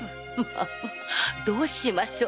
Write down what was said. まあどうしましょう。